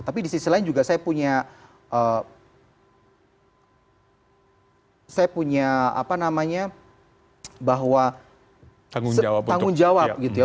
tapi di sisi lain juga saya punya saya punya apa namanya bahwa tanggung jawab gitu ya